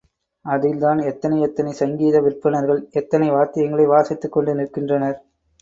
அதில்தான் எத்தனை எத்தனை சங்கீத விற்பன்னர்கள், எத்தனை வாத்தியங்களை வாசித்துக் கொண்டு நிற்கின்றனர்.